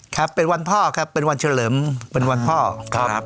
ครับเป็นวันพ่อครับเป็นวันเฉลิมเป็นวันพ่อครับ